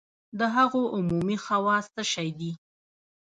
د هغو عمومي خواص څه شی دي؟